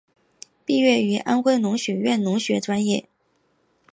毕业于安徽农学院农学专业。